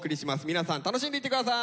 皆さん楽しんでいって下さい！